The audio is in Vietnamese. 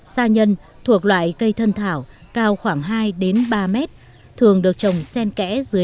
sa nhân thuộc loại cây thân thảo cao khoảng hai ba mét thường được trồng sen kẽ dưới